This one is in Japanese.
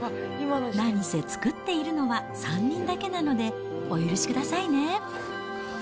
なにせ作っているのは３人だけなので、お許しくださいね。